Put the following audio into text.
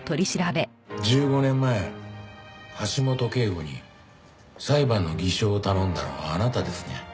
１５年前橋本圭吾に裁判の偽証を頼んだのはあなたですね？